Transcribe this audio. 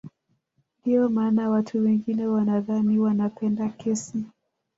Ndio maana watu wengine wanadhani wanapenda kesi